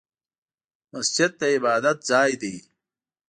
مسجد د عبادت ځای دی